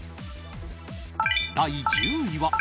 第１０位は。